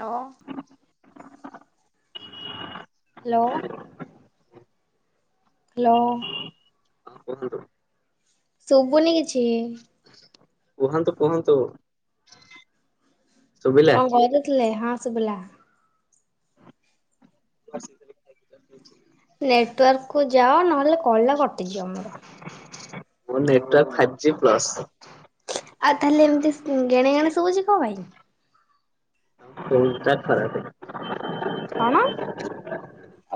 ଅ hello. Hello. ହଁ କୁହନ୍ତୁ। ଶୁଭୁନି କିଛି। କୁହନ୍ତୁ କୁହନ୍ତୁ? ଶୁଭିଲା। କଣ କରୁଥିଲେ? ହାଁ ସୁବିଲା। [unintelligible] ନେଟୱାର୍କ କୁ ଯାଅ ନହେଲେ କଲ୍ ଟା କଟିଯିବ ମୋର। ମୋ ନେଟୱାର୍କ ଫାଇଭ୍ ଜି ପ୍ଲସ୍। ଆଉ ତାହେଲେ ଏମିତି ସୂ ଗେଣେ ଗେଣେ ଶୁଭୁଛି କଣ? ଫୋନ୍ ଟା ଖରାପ୍। କଣ?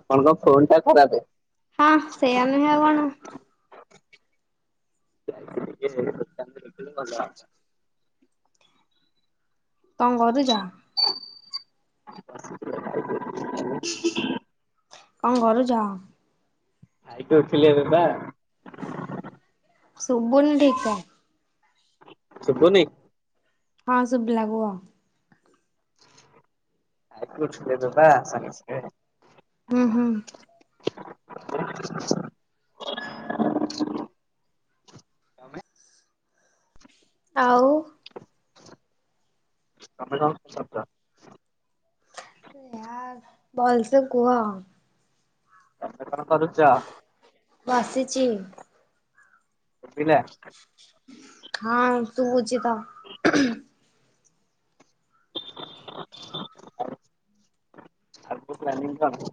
ଆପଣଙ୍କ ଫୋ ପିନ୍ ଟା ଖରାପ। ହଁ ସେଇଆ ନୁହେଁ ଆଉ କଣ। [unintelligible] କଣ କରୁଜ? [unintelligible] କଣ କରୁଚ? ଖାଇକି ଉଠିଲି ଏବେ ବା। ଶୁବୁନି ଠିକ୍ ସେ। ଶୁଭୁନି। ହଁ ଶୁଭିଲା କୁହ। [unintelligible] ହୁଁ ହୁଁ। [unintelligible] ଆଉ। [unintelligible] ଆରେ ଭଲସେ କୁହ? ତମେ କଣ କରୁଚ? ବସିଛି। ଶୁଭିଲା? ହଁ ଶୁବୁଛି କହ। ଆଗକୁ ପ୍ଲାନିଂ କଣ?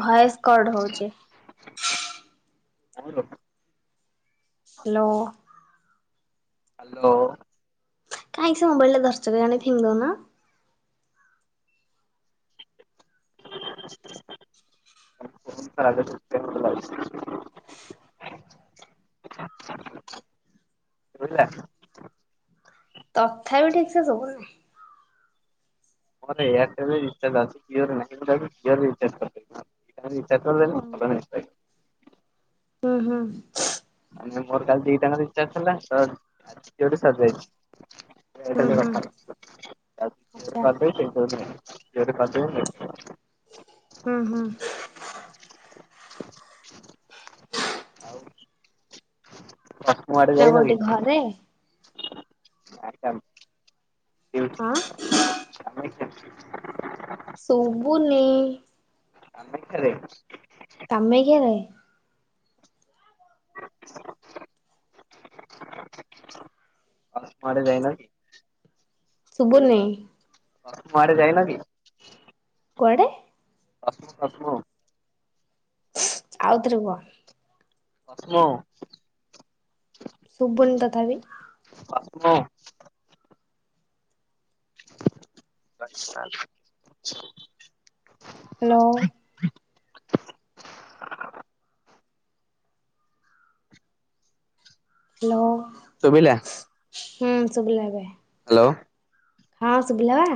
ଭଏସ କଡ ହୋଉଚି। ମୋର ହାଲୋ। ହାଲୋ। କାଇଁ ସେ ମୋବାଇଲ ଟା ଧରିଛ କେଜାଣି ଫିଙ୍ଗିଦଉନ। [unintelligible] ଶୁଭିଲା। ତଥାବିି ଠିକ୍ ସେ ଶୁଭୁନି। [unintelligible] [unintelligible] ହୁଁ ହୁଁ। ମାନେ ମୋର କାଲି ଦିଟାଙ୍କ ରିଚାର୍ଜ୍ ଥିଲା ତ ଉଠି ସରିଜାଇଛି। ହୁଁ ହୁଁ ଆଚ୍ଛା [unintelligible] ହୁଁ ହୁଁ [inaudible] [inaudible] ଏଇନା କୋଉଠି ଘରେ? ଆସାମ। ହଁ। ସୂବୁନି ଆମେରିକାରେ। କାମେଖ୍ୟା ରେ? [unintelligible] ଶୁଭୁନି। ହଁ ମାଡେ ଯାଇନ କି? କୁଆଡ଼େ? [unintelligible] ଆଉ ଥରେ କୁହ। [unintelligible] ଶୁଭୁନି ତଥାପି। [unintelligible] ଆଚ୍ଛା ଆଚ୍ଛା। ହାଲୋ। ହାଲୋ। ଶୁଭିଲା? ହୁଁ, ଶୁଭିଲା ଏବେ। ହାଲୋ। ହଁ, ଶୁଭିଲା?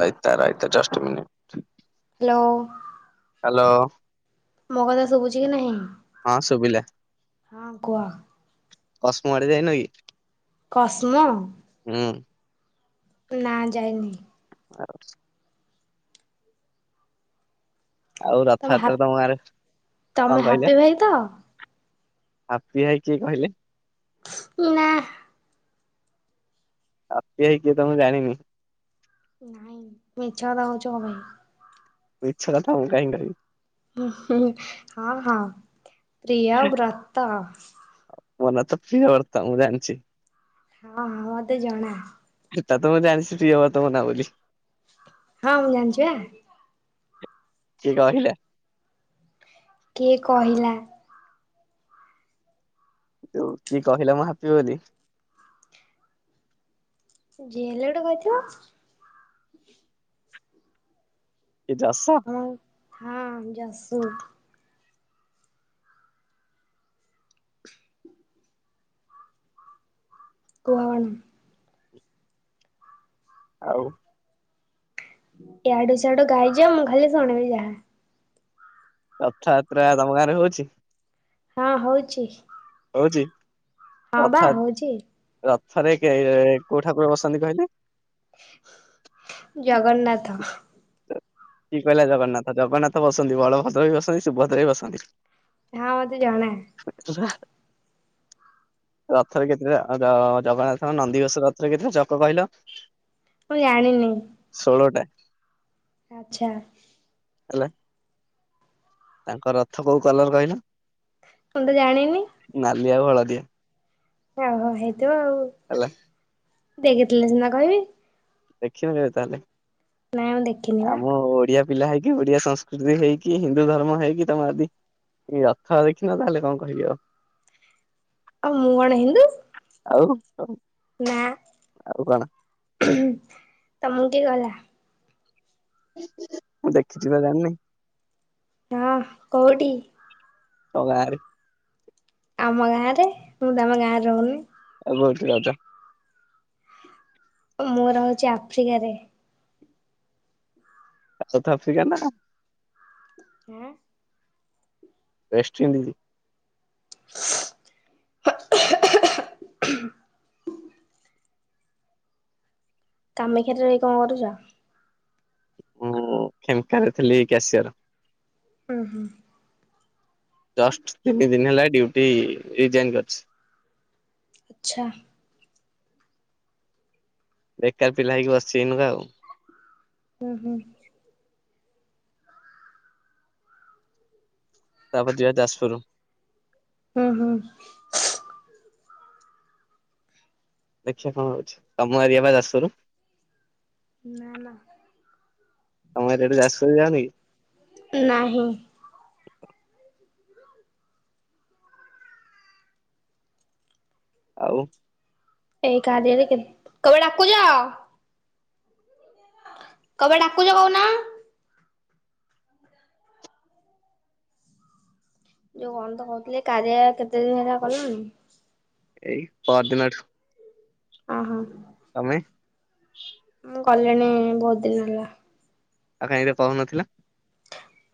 ରାଇତା ରାଇତା just a minute. Hello. Hello. ମୋ କଥା ଶୁଭୁଛି କି ନାହିଁ? ହଁ ଶୁଭିଲା। ହଁ, କୁହ। କସମୋ ଆଡେ ଯାଇନ କି? କସମୋ? ହୁଁ। ନା ଯାଇନି। [unintelligible] ଆଉ ତମେ ରଥଯାତ୍ରା ତମ ଗାଁରେ, ତମେ କଣ ହାପି କହିଲେ? ଭାଇ ତ ହାପି ଭାଇ କିଏ କହିଲେ? ନା। ହାପି ଭାଇ କିଏ ତ ମୁଁ ଜାଣିନି। ନାଇଁ, ମିଛ କଥା କହୁଛ କଣ ପାଇଁ? ମିଛ କଥା ମୁଁ କାଇଁ କହିବି? ହଁ, ହଁ, ପ୍ରିୟବ୍ରତ। ମୋ ନାଁ ତ ପ୍ରିୟବ୍ରତ ମୁଁ ଜାଣିଛି। ହଁ ହଁ ମତେ ଜଣା। ସେଟା ତ ମୁଁ ଜାଣିଛି ପ୍ରିୟବର୍ତ୍ତ ମୋ ନାଁ ବୋଲି। ହଁ ମୁଁ ଜାଣିଛି ବା। କିଏ କହିଲା। କିଏ କହିଲା? ତୁ କିଏ କହିଲା ମୁଁ ହାପି ବୋଲି। ଯିଏ ହେଲେ ଗୋଟେ କହିଥିବ। କି ଚାଷ। ହଁ ହଁ [inaudible] କୁହ? ଆଉ। ଇଆଡୁ ସିଆଡୁ ଗାଇଯାଅ ମୁଁ ଖାଲି ଶୁଣିବି ଯାହା ରଥଯାତ୍ରା ତମ ଗାଁରେ ହଉଛି। ହଁ ହଉଛି। ହଉଛି ହଁ ବା ରଥଯା ହଉଛି ରଥରେ କୋଉ ଠାକୁର ବସନ୍ତି କହିଲେ? ଜଗନ୍ନାଥ। କିଏ କହିଲା ଜଗନ୍ନାଥ ଜଗନ୍ନାଥ ବସନ୍ତି ବଳଭଦ୍ର ବି ବସନ୍ତି ସୁଭଦ୍ରା ବି ବସନ୍ତି। ହଁ ମତେ ଜଣା। [unintelligible] ରଥରେ କେତେଟା ଜଗନ୍ନାଥଙ୍କ ନନ୍ଦିିଘୋଷ ରଥରେ କେତେଟା ଚକ କହିଲ। ମୁଁ ଜାଣିନି। ଷୋଳଟା। ଆଛା। ହେଲା। ତାଙ୍କ ରଥ କୋଉ କଲର କହିଲ? ମୁ ତ ଜାଣିନି। ନାଲି ଆଉ ହଳଦିଆ। ହଉ ହଉ ହେଇଥିବ ଆଉ। ହେଲା। ଦେଖିଥିଲେ ସିନା କହିବି। ଦେଖିନୁ କେବେ ତାହେଲେ ନାଇଁ ମୁଁ ଦେଖିନି ବା ଆମ ଓଡିଆ ପିଲା ହେଇକି ଓଡିଆ ସଂସ୍କୃତି ହେଇକି ହିନ୍ଦୁ ଧର୍ମ ହେଇକି ତମ ଆଦି ରଥ ଦେଖିନ ତାହେଲେ କଣ କହିବି ଆଉ। ଆଉ ମୁଁ କଣ ହିନ୍ଦୁ? ଆଉ ହଉ ନା ଆଉ କଣ? ତମକୁ କିଏ କହିଲା? ମୁଁ ଦେଖିଛି ବା ଜାଣିନି। ହଁ କୋଉଠି? ତମ ଗାଁରେ। ଆମ ଗାଁ ରେ ମୁଁ ତମ ଗାଁରେ ରହୁନି? ଆଉ କୋଉଠି ରହିଛ? ମୁଁ ରହୁଚି ଆଫ୍ରିକାରେ। ସାଉଥ ଆଫ୍ରିକା ନା କଣ? ହୁଁ। ଏଷ୍ଟେଣ୍ଡିଜ୍। [inaudible] କାମେକ୍ଷାରେ ରହି କଣ କରୁଚ? ମୁଁ କ୍ଷେମକାରେ ଥିଲି ଏଇକି ଆସିବାର। ଉଁ ହୁଁ। ଜଷ୍ଟ ତିନିଦିନି ହେଲା ଡ୍ୟୁଟି ରିଜାଇନ୍ କରିଛି। ଆଚ୍ଛା। ବେକାର ପିଲା ହେଇକି ବସିଛି ଏଇନାକା ଆଉ। ଉଁ ହୁଁ। ତାପରେ ଯିବା ଯାସ୍ପୁର। ହୁଁ ହୁଁ। ଦେଖିବା କଣ ହଉଛି, ତମ ଏରିଆ ପା ଯାଜପୁର? ନାଁ ନା। ତମ ଏରିଆଟା ଯାଜପୁରରେ ଯାଉନି କି? ନାହିଁ। ଆଉ ଏଇ କାରିୟାରେ କେ [unintelligible] କ ପାଇ ଡାକୁଚ? କ ପାଇ ଡାକୁଚ କହୁନ? ଯୋଉ କଣ ତ କହୁଥିଲି ଏ କାରିୟା କେତେ ଦିନ ହେଲା କଲୁଣି? ଏଇ ପରଦିନଠୁ। ଅ ହଁ। ତମେ ମୁ କଲିଣି ବହୁତ ଦିନ ହେଲା। ଆ କାହିଁ ଏରା ପମ୍ପ ନଥିଲା?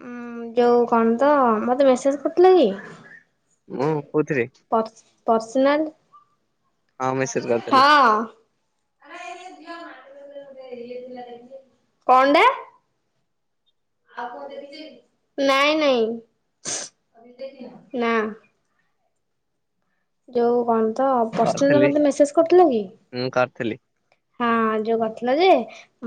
ଉଁ ଯୋଉ କଣ ତ ମତେ ମେସେଜ କରିଥିଲ କି? ମୁଁ କୋଉଥିରେ ପର୍ ପର୍ସନାଲ। ହଁ ମେସେଜ କରିଥିଲି ହଁ କଣଟା? ନାଇଁ ନାଇଁ, ନାଁ। ଯୋଉ କଣ ତ ପର୍ସନାଲ କରିଥିଲି ମତେ ମେସେସ କରିଥିଲ କି? ମୁଁ କରିଥିଲି। ହଁ ଯୋଉ କରିଥିଲ ଯେ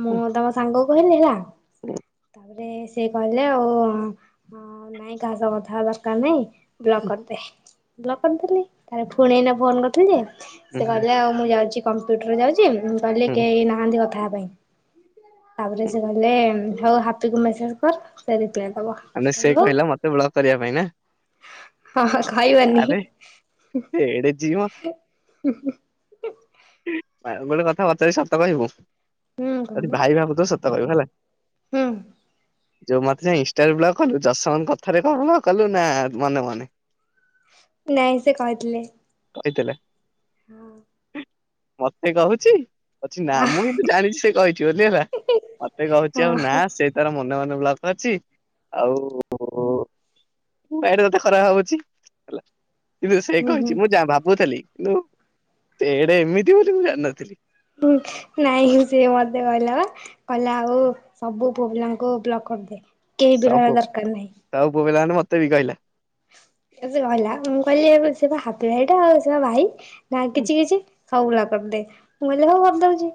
ମୁଁ ଉଁ, ତମ ସାଙ୍ଗକୁ କହିଲି ହେଲା। [inaudible] ତାପରେ ସେ କହିଲେ ଆଉ ଉଁ ନାଇଁ କାହା ସହ କଥା ହବା ଦରକାର ନାଇଁ। ବ୍ଲକ ଉଁ, କରିଦେ, ବ୍ଲକ କରିଦେଲି ତାରେ ଫୁଣି ଏଇନା ଫୋନ କରିଥିଲି ଯେ ଉଁ, ସେ ହୁଁ, କହିଲେ ଆଉ ମୁଁ ଯାଉଛି କମ୍ପ୍ୟୁଟର ଯାଉଚି କହିଲେ ହୁଁ, କେହି ନାହାନ୍ତି କଥା ହବା ପାଇଁ। ତାପରେ ହୁଁ। ସେ କହିଲେ ହଉ ହାପିକୁ ମେସେଜ କର ସେ ରିପ୍ଲାଏ ଦବ। ମାନେ ସେ କହିଲି ହଉ କହିଲା ମତେ ବ୍ଲକ କରିବା ପାଇଁ ନା? ହଁ ହଁ କହିବନି। ଆରେ ଏଡେ ଝିଅ ଗୋଟେ କଥା ପଚାରିବି ସତ କହିବୁ ହୁଁ କହୁନ ଯଦି ଭାଇ ଭାବୁଥୁବୁ ସ ତ କହିବୁ ହେଲା। ହୁଁ ଯୋଉ ମତେ ଯୋଉ ଇନ୍ଷ୍ଟାରୁ ବ୍ଲକ କଲୁ ଯସନ୍ କଥାରେ [unintelligible] କଲୁ ନା ମନେ ମନେ? ନାଇଁ ସେ କହିଥିଲେ। [unintelligible] ହଁ ମତେ କହୁଛି ଅଛି ନା ହଁ ମୁଁ ବି ତୁ ଜାଣିଛି ସେ କହିଛି ବୋଲି ହେଲା, ମତେ କହୁଛି ଆଉ ନା ହଁ ସେ ତାର ମନେ ମନେ [unintelligible] ଆଉ ବାଇଟା କେତେ ଖରାପ ଭାବୁଛି ହେଲା। କିନ୍ତୁ ସେ ହୁଁ ହୁଁ। କହିଛି, ମୁଁ ଯା ଭାବୁଥିଲି, କିନ୍ତୁ ସେ ଏଇଡେ ଏମିତି ବୋଲି ମୁଁ ଜାଣିନଥିଲି। ହ ନାଇଁ ସିଏ ମତେ କହିଲା ବା କହିଲ ଆଉ, ସବୁ ପବିଲାଙ୍କୁ ବ୍ଲକ୍ କରିଦିଏ, କେହି ବି ସବୁ ରହିବା ପୁଅ ଦରକାର ନାହିଁ। ସବୁ ପୁଅ ପିଲା ମାନେ ମତେ ବି କହିଲେ। କହିଲା ମୁଁ କହିଲି ସେ ହାପି ଭାଇଟା, ଆଉ ସେ ଭାଇ ନା କିଛି କିଛି ଖଉୁଲା କରିଦେ। ମୁ କହିଲି ହଁ କରିଦଉଛି।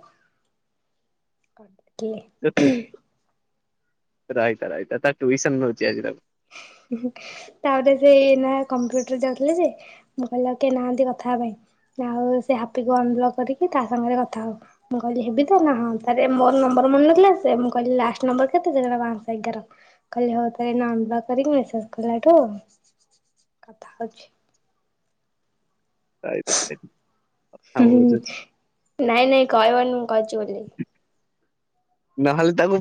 ରହିଥା ରହିଥା ତା ଟୁଇସନ୍ ନଉଚି ଆଜି ତାହେଲେ। ହ ତାପରେ ସେ ଏୟିନା କମ୍ପ୍ୟୁଟର ଯାଉଥିଲେ ଯେ, ମୁ କହିଲା ଆଉ କିଏ ନାହାନ୍ତି କଥା ହେବାକୁ। ଆଉ ସେ ହାପିକୁ ଅନବଲକ୍ କରିକି ତା ସାଙ୍ଗରେ କଥା ହଉ। ମୁଁ କହିଲି ହେବି ତଁ, ହଁ ମୋର ନମ୍ବର ମିଳୁନଥିଲା, ସେ ମୁଁ କହିଲି ଲାଷ୍ଟ ନମ୍ବର କେତେ [unintelligible] ଏଗାର। କହିଲେ ହଉ ଏୟିନା ଅନବ୍ଲକ୍ କରିକି, ମେସେଜ କଲାଠୁ କଥା ହଉଛି। ଆ ଆ ନାଇଁ ନାଇଁ କହିବନି ମୁଁ କହିଛି ବୋଲି। ନହେଲେ ତାକୁ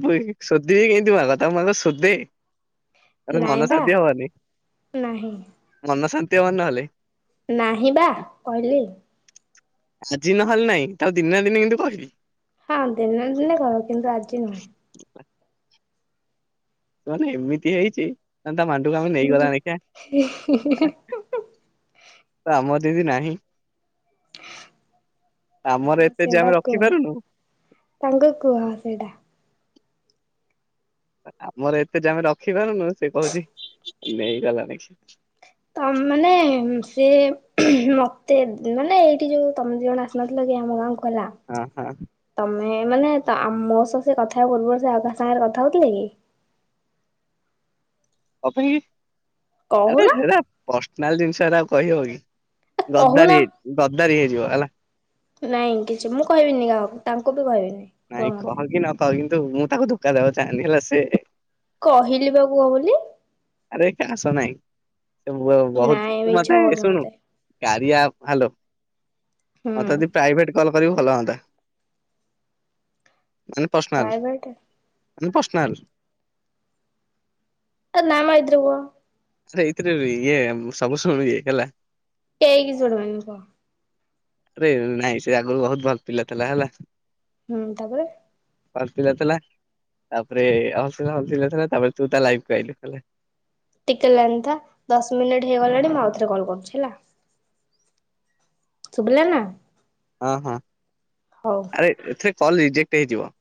ଶୋଧିବି କେମତି ଆଗ ତାକୁ ଆଗ ସୋଧେ। ଆରେ ନାଇଁ ମନ ବା ଶାନ୍ତି ହବନିି, ନାହିଁ ମନ ଶାନ୍ତି ହବନି ନହଲେ। ନାହିଁ ବା କହିଲି। ଆଜି ନହେଲେ ନାଇଁ, ତାକୁ ଦିନେ ନା ଦିନେ କିନ୍ତୁ କହିବି। ହଁ ଦିନେ ଦିନେ କହିବ, କିନ୍ତୁ ଆଜି ନାଇଁ। ସେ ମାନେ ଏମିତି ହେଇଛି, ମାନେ ତା ମାଣ୍ଡୁ ତାକୁ ନେଇଗଲା [unintelligible] ଆମ ଦୁଇ କୁ ନାହିଁ। ଆମର ହଁ ଏତେ ଯେ ଆମେ ସେଟା କୁହ, ରଖିପାରୁନୁ। [unintelligible] କୁହନି ସେଇଟା। ଆମର ଏତେ ଯାକ ରଖିପାରୁନୁ, ସେ କହୁଛି ନେଇଗଲାଣି କି। ଅ ନାଇଁ ସେ ମତେ ମାନେ ଟିକେ ତମେ ଦୀ ଜଣ ମତେ ଲାଗେ ମୁ ହିଁ ଖରାପ। ହଁ ହଁ। ତମେ ମାନେ ମୋ ସହ ସେ କଥା ହେବା ପୂର୍ବରୁ, ସ ଆଉ କାହା ସାଙ୍ଗରେ କଥା ହଉଥିଲେ କି? ଆରେ କହୁନ ସେଟା ପର୍ସନାଲ ଜିନିଷ ହେରାକ କହି ହବ କି? କହୁନ ଗଦାରି ହେଇ, ଗଦାରି ହେଇଯିବ ହେଲା। ନାଇଁ କିଛି ମୁଁ, କହିବିନି କାହାକୁ ତାଙ୍କୁ ବି କହିବିନି। କୁହ ନାଇଁ କହ ମତେ କି ନ କହ, କିନ୍ତୁ ମୁଁ ତାକୁ ଧୋକା ଦେବାକୁ ଚାହେଁନି ହେଲା ସେ କହିଲି ବା କୁହ ବୋଲି। ଆରେ କାହା ସହ ନାଇଁ, ସେ ବହୁତ ନାଇଁ ତୁ ମିଛ ମତେ କହୁଛ ଶୁଣୁ ମତେ। କାରିଆ ଆପ ହ୍ୟାଲୋ, ହୁଁ ମତେ ଯଦି ପ୍ରାଇଭେଟ କଲ୍ କରିବୁ ଭଲ ହୁଅନ୍ତା। ମାନେ ପର୍ସନାଲ, ପ୍ରାଇଭେଟ ମାନେ ପର୍ସନାଲ। ଏ ନାଇଁ ମ ଏଇଥିରେ କୁହ। ଆରେ ଏଇଥିରେ ଇଏ ସବୁ ଶୁଣିବେ ହେଲା। କେହି କିଛି ଶୁଣିବେନି କହ। ସେରେ ନାଇଁ ସେ ଆଗରୁ ବହୁତ ଭଲ ପିଲା ଥିଲା ହେଲା। ହୁଁ ତାପରେ। ହସିକି ଯାଉଥିଲା ତାପରେ ହସିଲା ହସିଲା ଥିଲା ତାପରେ ତୁ ତା ଲାଇଫ କୁ ଆଇଲୁ। ଟିକେ ଲାଇନନ୍ତା ଦଶ ମିନିଟ୍ ହେଇଗଲାଣି ମୁଁ ଆଉଥରେ କଲ୍ କରୁଚି ହେଲା। ଶୁଭିଲା ନା। ହଁ ହଁ। ହଉ। ଏଥିରେ କଲ୍ ରିଜେକ୍ଟ ହେଇଯିବ।